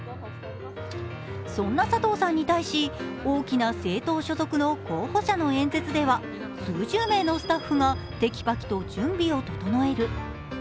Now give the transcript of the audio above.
そんな佐藤さんに対し、大きな政党所属の選挙カーでは数十名のスタッフがてきぱきと準備を整える。